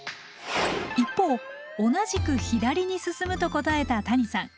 一方同じく左に進むと答えた谷さん。